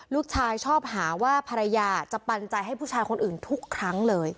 ลูกชายชอบหาว่าภรรยาจะปันใจให้ผู้ชายคนอื่นทุกครั้งเลย